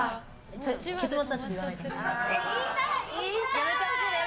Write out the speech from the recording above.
やめてほしいの。